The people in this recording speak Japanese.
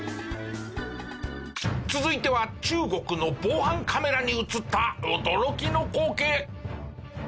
続いては中国の防犯カメラに映った驚きの光景！